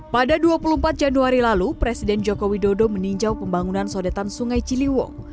pada dua puluh empat januari lalu presiden joko widodo meninjau pembangunan sodetan sungai ciliwung